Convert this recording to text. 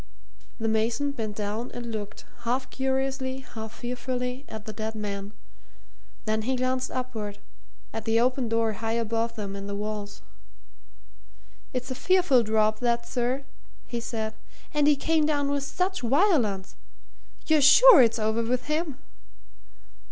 The mason bent down and looked, half curiously, half fearfully, at the dead man. Then he glanced upward at the open door high above them in the walls. "It's a fearful drop, that, sir," he said. "And he came down with such violence. You're sure it's over with him?"